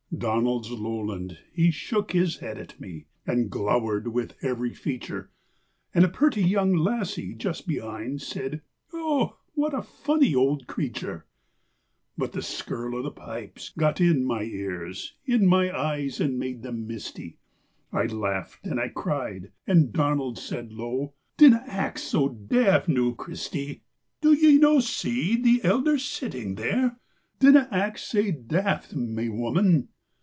Donald's lowland, he shook his head at me, And glowered with every feature, And a pretty young lassie just behind Said: "Oh, what a funny old creature!" But the skirl o' the pipes got in my ears, In my eyes, and made them misty; I laughed and I cried, and Donald said low: "Dinna act so daft, noo, Christy!" "Do ye no see the elder sitting there? Dinna act sae daft, my wooman.